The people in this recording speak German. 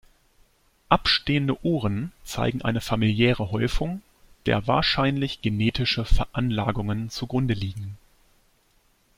Abstehenden Ohren zeigen eine familiäre Häufung, der wahrscheinlich genetische Veranlagungen zugrunde liegen.